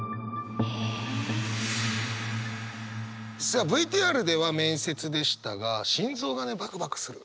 さあＶＴＲでは面接でしたが心臓がねバクバクする。